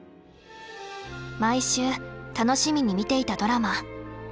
毎週楽しみに見ていたドラマ。